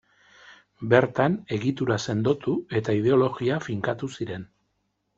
Bertan egitura sendotu eta ideologia finkatu ziren.